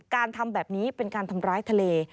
การทำแบบนี้เป็นการทำร้ายทะเล